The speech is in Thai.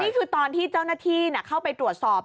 นี่คือตอนที่เจ้าหน้าที่เข้าไปตรวจสอบ